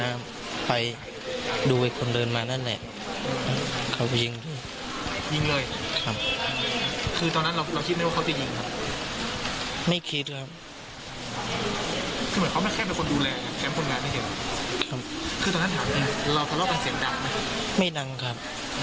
ไม่ดังครับ